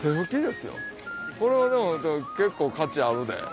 これはでも結構価値あるで。